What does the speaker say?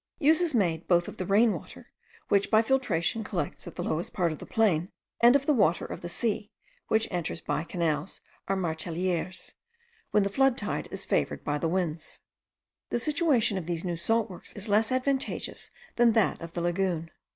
Use is made both of the rain water, which by filtration collects at the lowest part of the plain, and of the water of the sea, which enters by canals, or martellieres, when the flood tide is favoured by the winds. The situation of these new salt works is less advantageous than that of the lagoon.